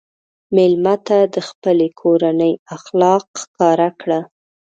مېلمه ته د خپلې کورنۍ اخلاق ښکاره کړه.